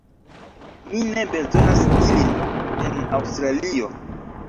Mi ne bezonas ilin en Aŭstralio